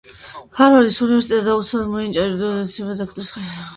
ჰარვარდის უნივერსიტეტმა დაუცველად მიანიჭა იურიდიულ მეცნიერებათა დოქტორის ხარისხი.